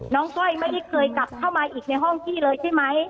ก้อยไม่ได้เคยกลับเข้ามาอีกในห้องพี่เลยใช่ไหม